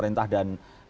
dan ada yang memulai itu